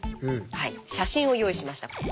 写真を用意しました。